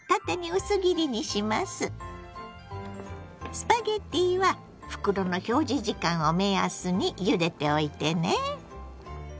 スパゲッティは袋の表示時間を目安にゆでておいてね。